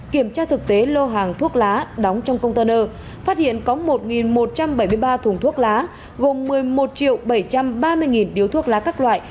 kiểm tra thực tế lô hàng thuốc lá đóng trong container phát hiện có một một trăm bảy mươi ba thùng thuốc lá gồm một mươi một bảy trăm ba mươi điếu thuốc lá các loại